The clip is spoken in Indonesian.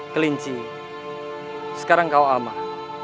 kelinci sekarang kau aman